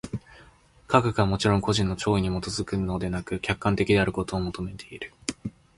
科学はもちろん個人の肆意に基づくのでなく、客観的であることを求めている。